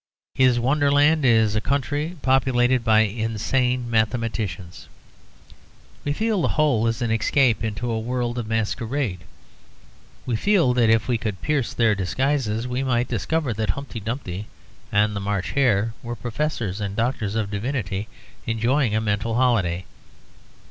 His Wonderland is a country populated by insane mathematicians. We feel the whole is an escape into a world of masquerade; we feel that if we could pierce their disguises, we might discover that Humpty Dumpty and the March Hare were Professors and Doctors of Divinity enjoying a mental holiday.